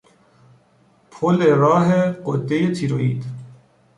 پل راه غدهی تیروئید